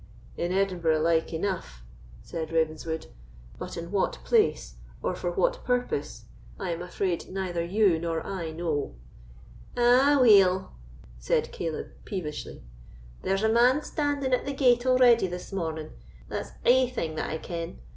"In Edinburgh like enough," said Ravenswood; "but in what place, or for what purpose, I am afraid neither you nor I know." "Aweel!" said Caleb, peevishly, "there's a man standing at the gate already this morning—that's ae thing that I ken.